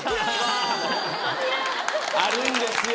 あるんですよ。